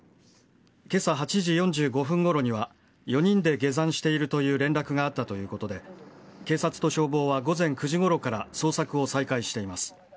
けさ８時４５分ごろには、４人で下山しているという連絡があったということで、警察と消防は午前９時ごろから捜索を再開しています。